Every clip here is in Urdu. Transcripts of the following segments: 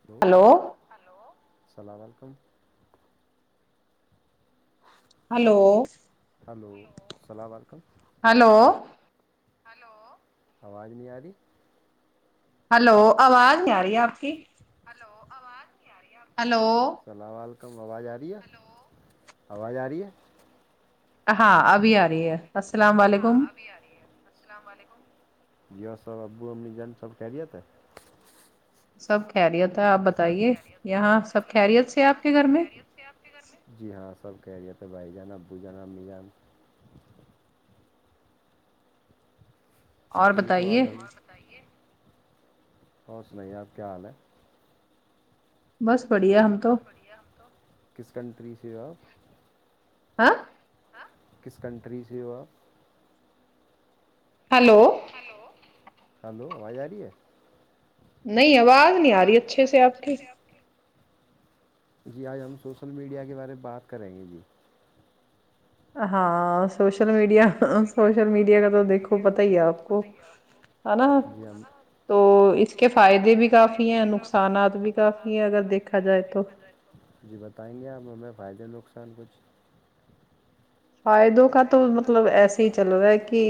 ہیلو ہلو ہیلو سلام وعلیکم ہیلو ہیلو سلام وعلیکم ہیلو ہیلو آواز نہیں آ رہی ہیلو آواز نہیں آ رہی ہے آپ کی ہیلو آواز نہیں آ رہی ہے آپ ہیلو سلام وعلیکم آواز آ رہی ہے آواز آ رہی ہے ہاں ابھی آ رہی ہے السلام ہاں علیکم ابھی آ رہی ہے السلام علیکم جی سب ابو امی جان سب خیریت ہے سب خیریت ہے آپ بت سب خیریت ہے آپ بتائیے ہاں کے گھر سب میں خیریت ہے آپ کے گھر میں جی ہاں سب خیریت ہے بھائی جان ابو جان امی جان اور جی تو بتائیے آج ہم اور بتائیے اور سنائیے آپ کیا حال ہے بس بڑھیا تو بس بڑھیا ہم تو کس کنٹری سے ہو آپ ہاں ہاں کس کنٹری سے ہو آپ ہیلو ہیلو ہیلو آواز آ رہی ہے نہیں آواز نہیں آ رہی اچھے سے آپ کی جی آج ہم سوشل میڈیا کے بارے میں بات کریں گے جی ہاں سوشل میڈیا سوشل میڈیا کا تو دیکھو پتا ہی ہے آپ کو ہے نا [unintelligible] تو اس کے فائدے بھی کافی ہیں نقصانات بھی کافی ہیں اگر دیکھا جائے تو جی بتائیں گے آپ ہمیں فائدے نقصان کچھ فائدوں کا تو مطلب ایسے ہی چل رہا ہے کی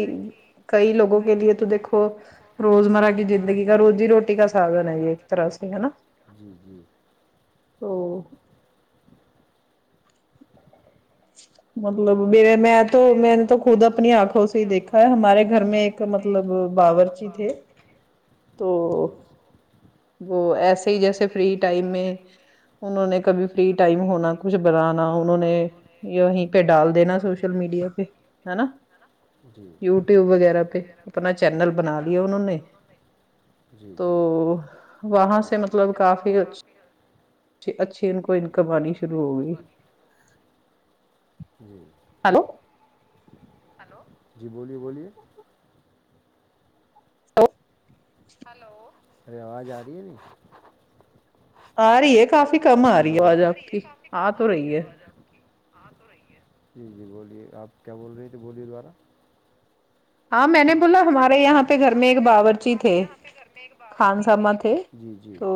کئی لوگوں کے لیے تو دیکھو روزمرہ کی زندگی کا روزی روٹی کا سادھن ہے یہ ایک طرح سے ہے نا جی جی تو [inaudible] مطلب میرے میں تو میں نے تو خود اپنی آنکھوں سے ہی دیکھا ہے ہمارے گھر میں ایک مطلب باور چی تھے تو جی وہ ایسے ہی جیسے فری ٹائم میں انہوں نے کبھی فری ٹائم ہونا کچھ بنانا انہوں نے یہیں پہ ڈال دینا سوشل میڈیا پہ ہے نا جی یوٹیوب وغیرہ پہ اپنا چینل بنا لیا انہوں نے جی تو جی وہاں سے مطلب کافی اچ ھی ان کو انکم آنی شروع ہوگی جی ہلو ہلو جی بولیے بولیے ہلو میری آواز آ رہی ہے یا نہیں آ رہی ہے کافی کم رہی ہلو ہے آواز آ رہی آپ ہے کی کافی کم آ تو رہی ہے آواز آپ کی جی جی بولیے آپ کیا بول رہی تھی بولیے ذرا ہاں میں نے بولا ہمارے یہاں پے گھر میں ایک باورچی تھے خان سامہ تھے جی جی تو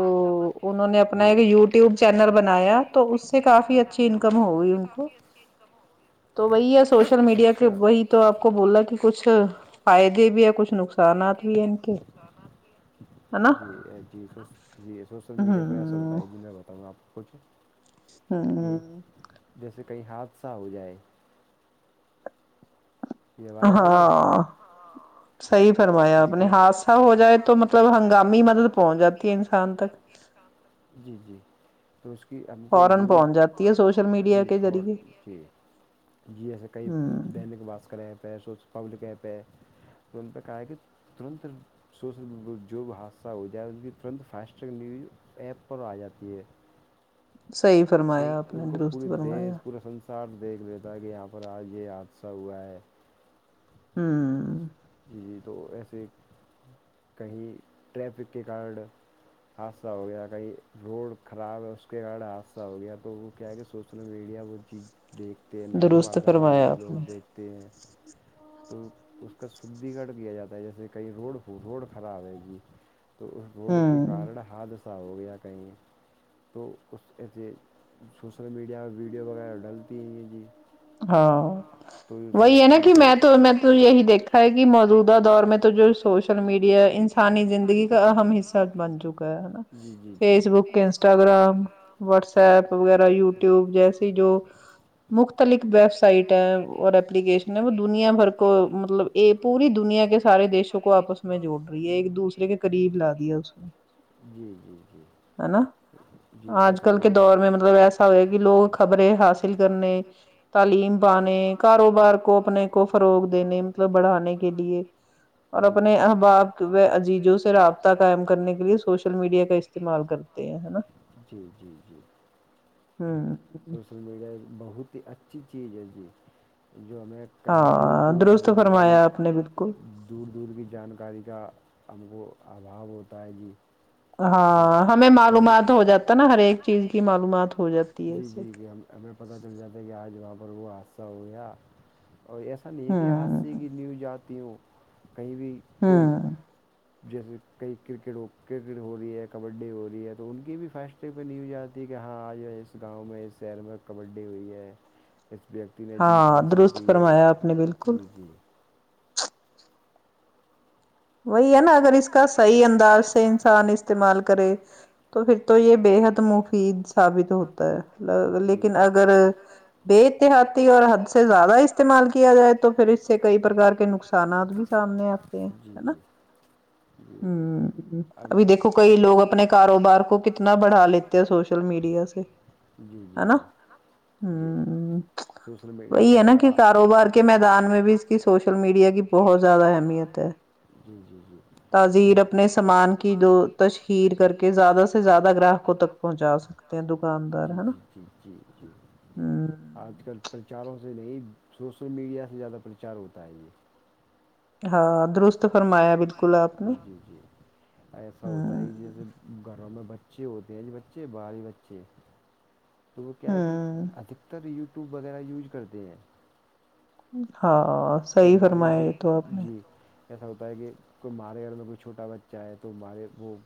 انہوں نے اپنا جی ایک یوٹیوب چینل بنایا تو اس سے کافی اچھی انکم ہوگئی ان کو کہو تو وہی ہے سوشل میڈیا کے وہی تو آپ کو بولا کہ کچھ فائدے بھی ہے کچھ نق فائدے بھی ہے کچھ نقصانات بھی ہے نا جی جی سو جی سوشل میڈیا پہ ایسا ہو تا ہ ہے جی میں بتاؤں گا آپ کوکچھے ہاں جیسے کہیں حادثہ ہو جائے یہ آواز آ رہی ہے ہاں سہی فرمایا جی اپنے کوئی حادثہ ہو جائے تو مطلب ہنگامی مدد پہنچ جاتی ہے انسان تک تک جی جی تو اس کی ہم کو فورن نیوز پہنچ جاتی ہے سوشل میڈیا کے فور ذریعے تھی [unintelligible] جی ایسے کہئی ہوں دینک باسکر یہ پہ سو پبلک یہ پہ تو ان پہ کہا ہے کہ [unintelligible] ترنت سوشل میڈیا جو بھی حادثہ ہو جائے کی ترنت فاسٹ ٹیک نیوز ایپ پر آ جاتی ہے صحیح فرما سے ان کو پورے دیش پورا سنسار دیکھ لیتا ہے کہ یہاں پر آج یہ حادثہ ہوا ہے ہوں جی جی تو ایسے کہیں ٹریفک کے کارن حادثہ ہو گیا کہیں روڈ خراب ہے اس کے کارں حادثہ ہو گیا تو وہ کیا کہ سوش سوشل میڈیا وہ چیز دیکھتے ہیں نگر درست پالکا والے فرمایا بھی آپ لوگ نے دیکھتے دکھتے ہے کا سدی گڑھ کیا جاتا ہے جیسے کہیں روڈ روڈ خراب ہے جی تو اس روڈ کے ہوں کارن حادثہ ہو گیا کہیں تو اس ایسے سوشل میڈیا پر ویڈیو وغیرہ ڈلتی ہیں جی ہاں تو یہ سو وہی ہے نا کہ میں جیسے تو میں تو یہی دیکھا ہے کہ موجودہ دور میں تو جو سوچ سوشل میڈیا انسانی زندگی کا اہم حصہ بن چکا ہےا جی جی جی جی Facebook Insta Instagram what's جی ایپ وغیرہ یوٹیوب جیسے جو مختلف ویب سائٹ ہے اور ایلیکیشن ہے وہ دنیا بھر کو مطلب پوری دنیا کے سارے دیشوں کو آپس میں جوڑ رہی ہے ایک دوسر کے قریب لا دیا اس نے جی جی جی ہے نا جی آج سوشل کل کے میڈیا دور میں مطلب ایسا ہو ہے کہ لوگ خبرے حاصل کرنے تعلیم پانے کاروبار کو اپنے کو فروغ دینے مطلب بڑھانے کے لیے اور جی اپنے جی احباب و عجیزوں سے رابطہ قائم کرنے کے لیے سوشل میڈیا کا استعمال کرتے ہیں نا جی جی جی ہاں سوشل میڈیا ایک بہت ہی اچھی چیز ہے جی جو ہمیں کہیں دور ہاں دور کی درست جانکاری فرمایا آپ نے بالکل دور دور کی جانکاری کا ہم کو آبھاؤ ہوتا ہے جی معلومات ہو جاتا نا ہر ایک چیز معلومات جی جی جی ہم ہمیں پتہ چل جاتا ہے کہ آج وہاں پر وہ حادثہ ہو گیا اور ایسا نہیں ہے کہ حادثہ ہوں کسی کی نیوز آتی ہوں کہیں بھی کوئی ہوں جیسے کئی کرکٹ ہو کرکٹ ہو رہی ہے کبڈی ہو رہی ہے تو ان کی بھی فیشٹ پہ نیو آتی ہے کہ ہاں آج ہے اس گاؤں میں اس شہر میں کبڈی ہوئی ہے اس ویکتی نے جیت ہاں حاصل درست کی ہے فرمایا آپ نے بالکل جی جی وہی ہے نا اگر اس کا صحیح انداز سے انسان استعمال کرے تو پھر تو یہ بےحد مفید ثابت ہوتا ہے جی لیکن جی اگر بے احتیاطی اور حد سے زیادہ استعمال کیا جائے تو پھر اس سے کئی پرار کے نقصان نانات بھی سامنے آتے ہیں جی نا جی ہ جی ام- ابھی دیکھو کئی لوگ اپنے کاروبار کو کتنا بڑھا لیتے ہیں سوش سوشل میڈیا سے جی جی جی ہ جی سوشل میڈیا وہی ہے نا کارڈ کہ کاروبار کے میدان میں بھی اس کی سوشل میڈیا کی بہت زیادہ اہمیت ہے جی جی جی تاظیر انسٹ- اپنے سامان کی جو تشہیر کر کے زیادہ سے زیادہ گراہکوں تک پہنچا سک جی جی جی جی جی ہ آج کل پرچاروں سے نہیں سوشل میڈیا سے زیادہ پرچار ہوتا ہے یہ ہاں درست فرمایا بالکل آپ نے جی جی جی ایسا ہوتا ہے ہ کہ جیسے گھروں میں بچے ہوتےلی بچے باہر بچے تو وہ کیا ہے کہ ہوں ادھکتر یوٹیوب وغیرہ یوج کرتے ہیں ہاں تو صحیح ہمارے یہاں فرمایا یہ تو سے آپ نے جی ایسا ہوتا ہے کہ کوئی ہمارے گھر میں کوئی چھوٹا بچہ ہے تو ہمارے وہ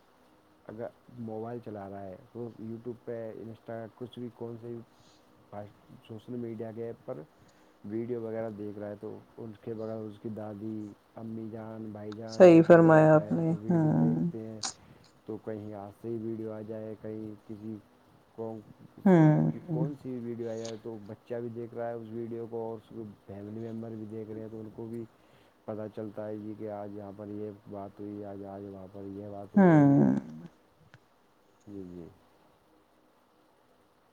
اگر موبائل چلا رہا ہے تو یوٹیوب پہ انسٹا کچھ بھی کون سے سوشل میڈیا کے ایپ پر ویڈیو وغیرہ دیکھ رہا تو اس کے بغیر اس کی دادی امی جان بھائی جان صحیح بیٹھا ہوا فرمایا ہوتا آپ ہے نے تو ویڈیو ہوں دیکھتے ہیں تو کہیں یہاں سے ہی ویڈیو آ جائے کہیں کسی کی ہوں کون سی ویڈیو آیا تو بچ بچہ بھی دیکھ رہا ہے اس ویڈیو کو اور اس فیملی ممبر بھی دیکھ رہے ہیں تو ان کو بھی پتا چلتا ہے یہی کہ آج یہاں پر یہ بات ہوئی آج آج وہاں پر یہ بات ہو گئی ہے ہوں جی جی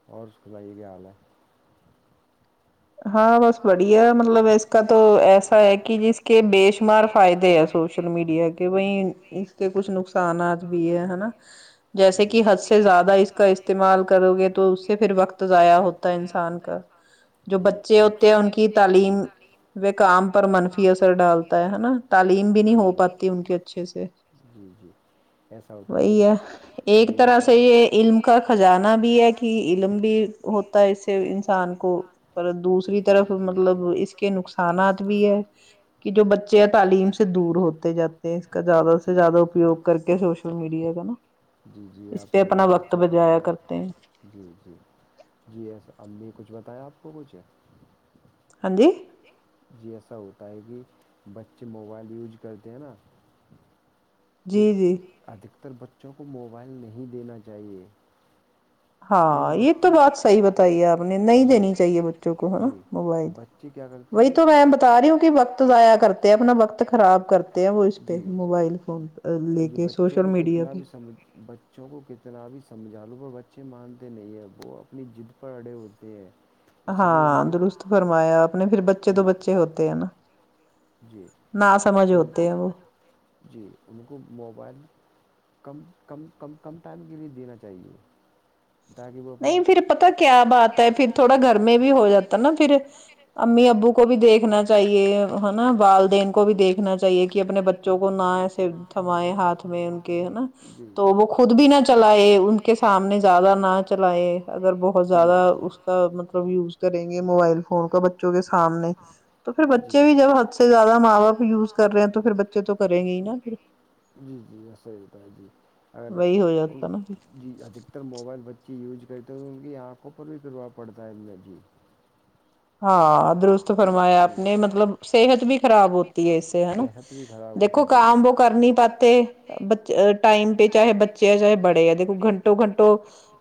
اور سنائیے کیا حال ہے ہاں بس بڑھیا مطلب اس کا تو ایسا ہے کہ جس کے بے شمار فائدے ہے سو سوشل میڈیا کے وہیں اس کے کچھ نقصانات بھی ہے ہے نا جیسے کہ حد سے زیادہ اس کا استعمال کرو گے جی تو اس سے پھر وقت ضائع ہوتا ہے انسان کا جو جی بچے ہوتے ہیں نقصان ان کی تعلیم جی۔ وہ کام پر منفی اثر ڈالتا ہیں ہے نا جی۔ تعلیم بھی نہیں ہو پاتی ان کے اچھے سے جی جی ایسا ہوتا ہے یہ ایک جی طرح ایسا سے یہ علم کا خزانہ بھی ہے کہ علم بھی ہوتا ہے اس سے انسان کو پر دوسری جی، طرف جی، جی۔ مطلب اس کے نقصانات بھی ہے کہ جو بچے ہیں تعلیم سے دور ہوتے جاتے ہیں کا جی زیادہ سے جی زیادہ اپیوگ کر کے سوشل میڈیا کا نا جی جی اس آپ پہ نے اپنا بہت اچھا وقت بھی ضائع فرمایا کرتے ہیں جی جی جی ایسا امی کچھ بتایا آپ کو کچھ ہاں جی جی ایسا ہوتا ہے کہ بچے موبائل یوج کرتے ہیں نا تو جی جی ادھکتر بچوں کو موبائل نہیں دینا چاہیے ہاں کیونکہ یہ تو بچے بات صحیح بتائی ہے آپ نے نہیں جی دینی چاہیے بچوں کو ہے نا جی موبائل بچے کیا کرتے ہیں وہی تو میں کہ بتا رہی ہوں کہ وقت ضائع کرتے ہیں اپنا وقت خراب کرتے ہیں وہ اس پہ موبائل فون لے ج کے بچوں سوشل کو میڈیا کتنا پہ بھی سمجھ بچوں کو کتنا بھی سمجھا لوں گے بچے مانتے نہیں ہیں وہ اپنی جد پر اڑے ہوتے ہیں اس لیے ہاں ان کے درست فرمایا اپنے پھر بچے دو جی بچے ہوتے ہے نا جی نا سمجھ تو ان کو ہوتے ہیں وہ جی ان کو موبائل کم کم کم کم ٹائم کے لیے دینا چاہیے تاکہ وہ نہیں اپنا پھر پتا کیا بات ہے پھر تھوڑا گھر میں بھی ہو جاتا نا پھر امی ابو کو بھی دیکھنا چاہیے ہے نا والدین کو بھی جی دیکھنا چاہیے کہ اپنے بچوں کو نہ تھمائے ہاتھ میں ان کے ہے نا جی تو وہ جی خود بھی نہ چلائے ان کے سامنے زیادہ نہ چلائے اگر بہت جی زیادہ اس جی کا مطلب یوز کریں گے موبائل فون کا بچوں کے سامنے تو پھر جی بچے بھی جب حد سے زیادہ ماں باپ یوز کر رہے ہیں تو پھر بچے تو کریں گے نا پھر جی جی صحیح بات ہے جی اگر وہی ہو جاتا نا پھر جی ادکتر موبائل بچے یوجز کرتے تو ان کی آنکھوں پر بھی ویور پڑتا ہے جی ہاں درست فرمایا جی اپنے مطلب صحت بھی خراب ہوتی ہے اس سے ہے نا صحت بھی خراب دیکھو ہوتی جی جی کام وہ کر نہیں پاتے ب ٹائم پہ چاہے بچے ہے چاہے بڑے ہے دیکھو گھنٹے تو گھنٹو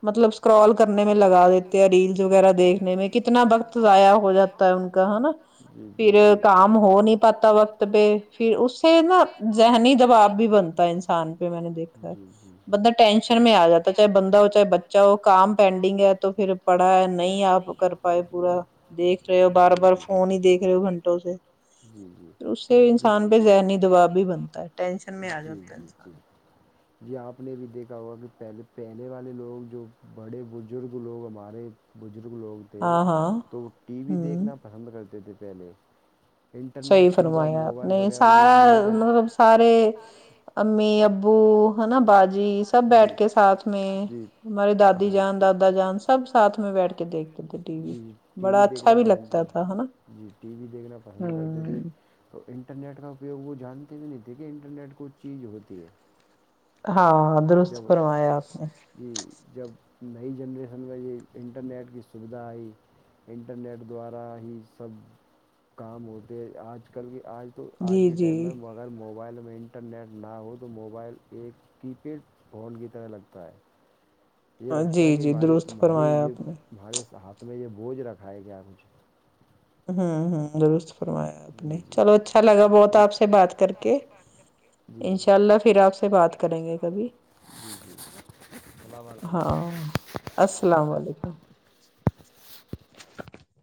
مطلب اسکرال کرنے میں لگا دیتے ہیں ریلس وغیرہ دیکھنے میں کتنا وقت ضائع ہو جاتا ہے ان کا ہے نا جی پھر جی جی کام ہو نہیں پاتا وقت پہ پھر اس سے نا ذہنی دباؤ بھی بنتا ہے انسان پہ میں نے دیکھا ہے جی جی جی بندہ ٹینشن میں آ جاتا ہے چاہے بندہ ہو چاہے بچا ہو کام پینڈنگ ہے تو پھر پڑا ہے نہیں آپ کر پائے پورا دیکھ رہے ہو بار جی جی بار فون ہی دیکھ رہے ہو گھنٹوں سے جی جی پھر اس سے انسان پہ ذہنی دباؤ بھی بنتا ہے ٹینشن میں آ جی جاتا ہے جی جی انسان جی آپ نے بھی دیکھا ہوا کہ پہلے پہلے والے لوگ جو بڑے بزرگ لوگ ہمارے بزرگ لوگ تھے ہاں ہاں تو وہ ٹی وی ہوں دیکھنا پرحم رہتے تھے پہلے انٹرنیٹ صحیح سویدھا فرمایا آپ موبائل نے وغیرہ یوج سارا نہیں کر مطلب سارے امی ابو ہے نا باجی سب جی بیٹھ کے ساتھ میں جی ہمارے دادی ہاں جان ٹی- دادا جان سب ساتھ میں بیٹھ کے دیکھتے تھے ٹی وی جی ٹی بڑا وی اچھا دیکھنا بھی پسند لگتا تھا ہے نا جی ٹی وی دیکھنا پسند کرتے تھے ہوں تو انٹرنیٹ کا اپیوگ وہ جانتے بھی نہیں تھے کہ انٹرنیٹ کچھ چیز ہوتی ہے ہاں درست جب فرمایا آپ نے جی جب نئی جنریشن میں یہ انٹرنیٹ کی سویدھا آئی انٹرنیٹ دوارا ہی سب کام ہوتے ہیں آج کل کے آج تو آج جی کے جی ٹائم میں اگر موبائل میں انٹرنیٹ نہ ہو تو موبائل ایک کی پیڈ فون کی طرح لگتا ہے یہ لگتا ہے جی کہ جی درست بھاری فرمایا یہ آپ نے بھارے ہاتھ میں یہ بوجھ رکھا ہے کیا کچھ ہوں ہوں درست فرمایا آپ نے جی جی چلو اچھا لگا بہت آپ سے بات کر کے جی جی انشاء اللہ پھر آپ سے بات کریں گے کبھی جی جی اللام و علکم ہاں [inaudible] السلام وعلیکم